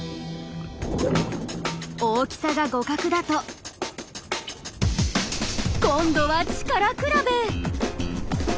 大きさが互角だと今度は力比べ。